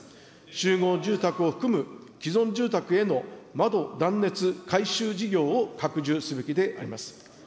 集合住宅を含む、既存住宅への窓断熱改修事業を拡充すべきであります。